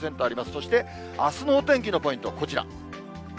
そしてあすのお天気のポイント、こちら。